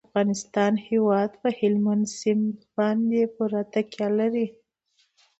د افغانستان هیواد په هلمند سیند باندې پوره تکیه لري.